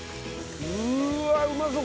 うわっうまそう！